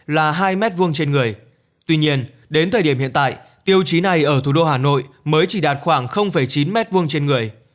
là hai m hai trên người tuy nhiên đến thời điểm hiện tại tiêu chí này ở thủ đô hà nội mới chỉ đạt khoảng chín m hai trên người